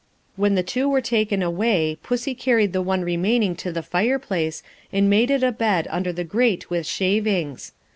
When the two were taken away, pussy carried the one remaining to the fireplace, and made it a bed under the grate with shavings.